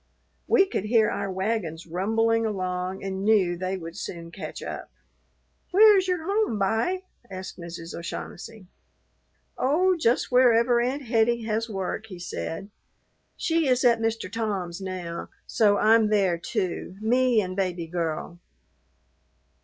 We could hear our wagons rumbling along and knew they would soon catch up. "Where is your home, b'y?" asked Mrs. O'Shaughnessy. "Oh, just wherever Aunt Hettie has work," he said. "She is at Mr. Tom's now, so I'm there, too, me and Baby Girl."